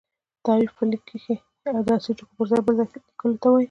تحریف په لیک کښي د اصلي ټکو پر ځای بل څه لیکلو ته وايي.